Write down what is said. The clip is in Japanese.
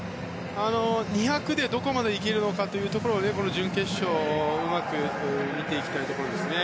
２００でどこまでいけるのかをこの準決勝でうまく見ていきたいところです。